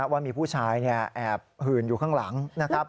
ว่ามีผู้ชายแอบหื่นอยู่ข้างหลังนะครับ